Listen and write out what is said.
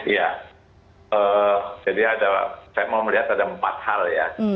ya jadi saya mau melihat ada empat hal ya